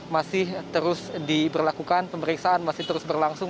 masih terus diberlakukan pemeriksaan masih terus berlangsung